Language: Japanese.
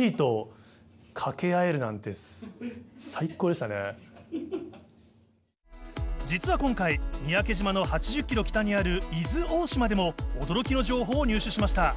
でもね実は今回三宅島の８０キロ北にある伊豆大島でも驚きの情報を入手しました。